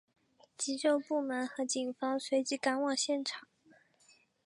急救部门和警方随即赶往现场。